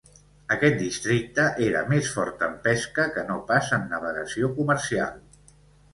Aquest districte era més fort en pesca que no pas en navegació comercial.